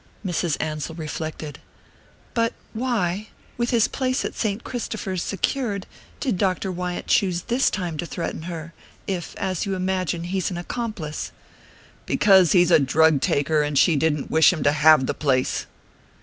Mrs. Ansell reflected. "But why with his place at Saint Christopher's secured did Dr. Wyant choose this time to threaten her if, as you imagine, he's an accomplice?" "Because he's a drug taker, and she didn't wish him to have the place."